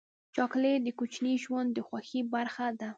چاکلېټ د کوچني ژوند د خوښۍ برخه ده.